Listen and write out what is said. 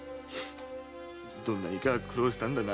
どんなにか苦労したんだな。